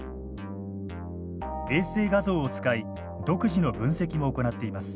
衛星画像を使い独自の分析も行っています。